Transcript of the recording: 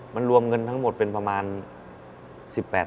มันรวมเงินทั้งหมดเป็นประมาณ๑๘บาท